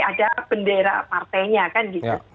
ada bendera partainya kan gitu